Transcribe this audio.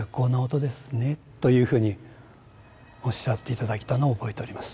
というふうにおっしゃっていただいたのを覚えております。